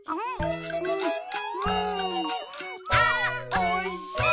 あおいしい！